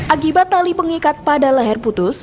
akibat tali pengikat pada leher putus